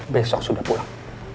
besok sudah pulang